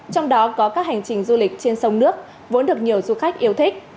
trong đó có các hành trình du lịch trên sông nước vốn được nhiều du khách yêu thích